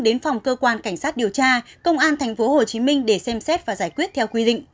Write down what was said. đến phòng cơ quan cảnh sát điều tra công an tp hcm để xem xét và giải quyết theo quy định